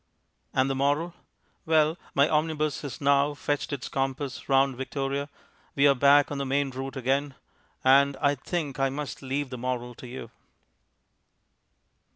And the moral? Well, my omnibus has now; fetched its compass round Victoria, we are back on the main route again, and I think I must leave the moral to you.